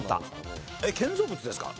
建造物ですか？